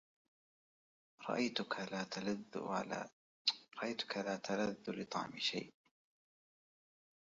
رأيتك لا تلذ لطعم شيء